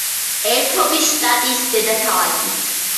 ერთობის შტატის დედაქალაქი.